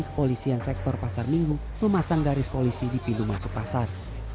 kepolisian sektor pasar minggu memasang garis polisi di pintu masuk pasar